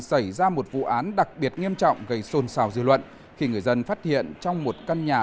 xảy ra một vụ án đặc biệt nghiêm trọng gây xôn xào dư luận khi người dân phát hiện trong một căn nhà